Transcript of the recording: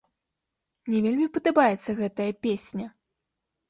Мне вельмі падабаецца гэтая песня.